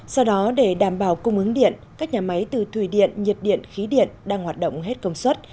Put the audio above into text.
do đó để đảm bảo cung ứng điện các nhà máy từ thủy điện nhiệt điện khí điện đang hoạt động hết công suất